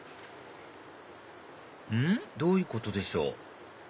うん？どういうことでしょう？